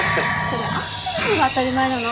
それは合ってるのが当たり前なの。